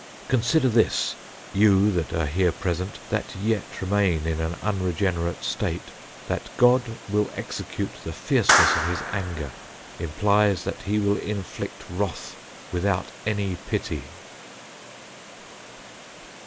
Consider this, you that are here present, that yet remain in an unregenerate state. That God will execute the fierceness of His anger, implies that He will inflict wrath without any pity.